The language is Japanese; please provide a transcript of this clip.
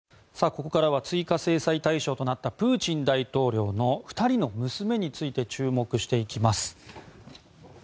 ここからは追加制裁対象となったプーチン大統領の２人の娘について注目していきます。